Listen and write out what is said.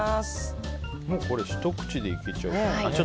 これ、ひと口でいけちゃうね。